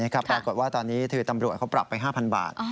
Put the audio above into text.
ปรากฏว่าตอนนี้คือตำรวจเขาปรับไป๕๐๐บาท